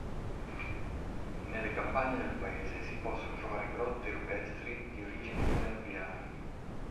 Nelle campagne del paese si possono trovare grotte rupestri di origine Villanoviana.